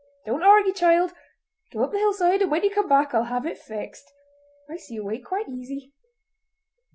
Don't argy, child! Go up the hillside, and when ye come back I'll have it fixed—I see a way quite easy!"